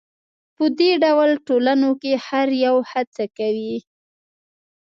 په دې ډول ټولنو کې هر یو هڅه کوي